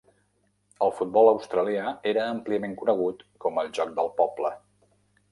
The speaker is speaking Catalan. El futbol australià era àmpliament conegut com "el joc del poble".